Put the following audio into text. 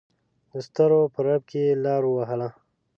دسترو په رپ کې یې لار ووهله.